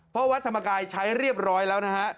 เพราะวัดธรรมกายใช้เรียบร้อยแล้วนะฮะ